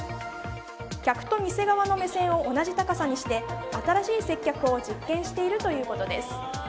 客と店側の目線を同じ高さにして新しい接客を実験しているということです。